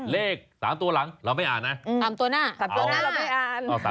เลข๓ตัวหลังเราไม่อ่านนะ